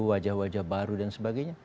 wajah wajah baru dan sebagainya